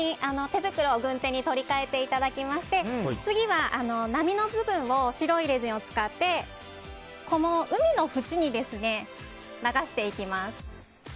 手袋を軍手に取り替えていただいて次は波の部分を白いレジンを使って海の縁に流していきます。